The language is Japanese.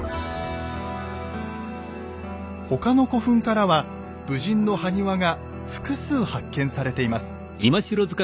他の古墳からは武人の埴輪が複数発見されています。